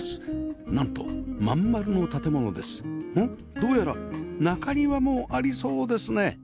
どうやら中庭もありそうですね